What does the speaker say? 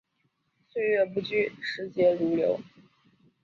岁月不居，时节如流。